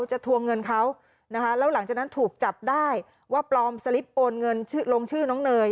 ทวงเงินเขานะคะแล้วหลังจากนั้นถูกจับได้ว่าปลอมสลิปโอนเงินลงชื่อน้องเนย